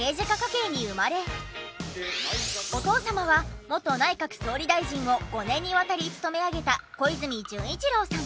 お父様は元内閣総理大臣を５年にわたり務め上げた小泉純一郎さん。